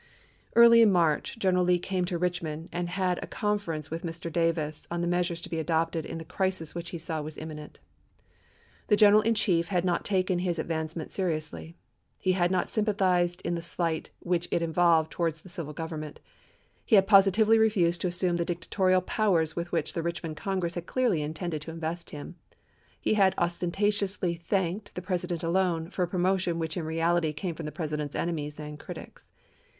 1 Early in March General Lee came to Eichmond i865. and had a conference with Mr. Davis on the measures to be adopted in the crisis which he saw was imminent. The General in Chief had not taken his advancement seriously. He had not sympathized in the slight which it involved to wards the civil government; he had positively refused to assume the dictatorial powers with which the Richmond Congress had clearly intended to invest him ; he had ostentatiously thanked " the President alone " for a promotion which in reality came from the President's enemies and critics.